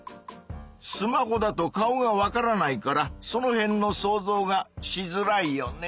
スマホだと顔がわからないからそのへんの想像がしづらいよね。